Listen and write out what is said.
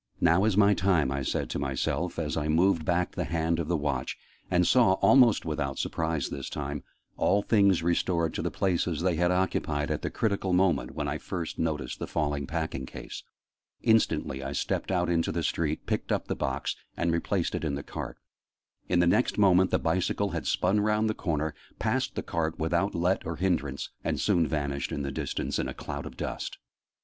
"Now is my time!" I said to myself, as I moved back the hand of the Watch, and saw, almost without surprise this time, all things restored to the places they had occupied at the critical moment when I had first noticed the fallen packing case. Instantly I stepped out into the street, picked up the box, and replaced it in the cart: in the next moment the bicycle had spun round the corner, passed the cart without let or hindrance, and soon vanished in the distance, in a cloud of dust.